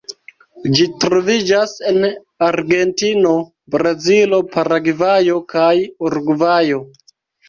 Ĝi troviĝas en Argentino, Brazilo, Paragvajo kaj Urugvajo.